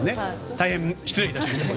大変失礼いたしました。